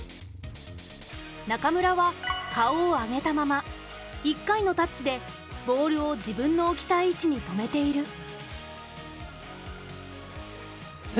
中村は顔を上げたまま１回のタッチでボールを自分の置きたい位置に止めている。